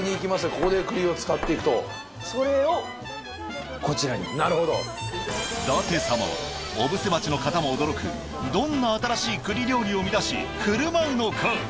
ここで栗を使っていくとそれをこちらになるほど舘様は小布施町の方も驚くどんな新しい栗料理を生み出し振る舞うのか？